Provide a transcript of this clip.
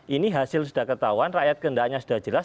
ini hasil sudah ketahuan rakyat kehendaknya sudah jelas